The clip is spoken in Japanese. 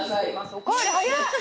おかわり早っ！